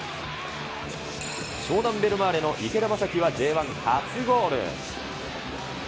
湘南ベルマーレの池田昌生はＪ１初ゴール。